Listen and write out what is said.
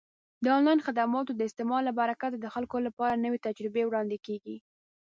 د آنلاین خدماتو د استعمال له برکته د خلکو لپاره نوې تجربې وړاندې کیږي.